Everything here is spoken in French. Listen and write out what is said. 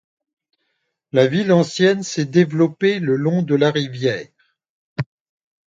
La ville ancienne s'est développée le long de la rivière.